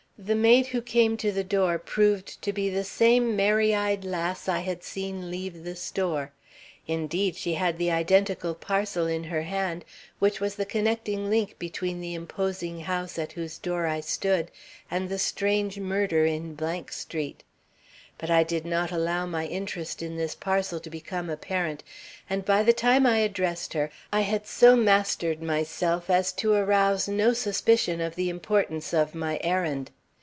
The maid who came to the door proved to be the same merry eyed lass I had seen leave the store. Indeed, she had the identical parcel in her hand which was the connecting link between the imposing house at whose door I stood and the strange murder in Street. But I did not allow my interest in this parcel to become apparent, and by the time I addressed her I had so mastered myself as to arouse no suspicion of the importance of my errand.